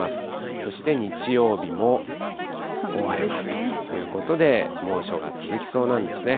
そして日曜日も覆われるということで、猛暑が続きそうなんですね。